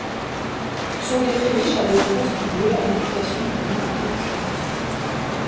Son lait très riche a d'ailleurs contribué à la réputation du beurre de Poitou-Charentes.